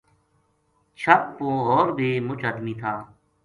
چھَت پو ہور بھی مُچ ادمی تھا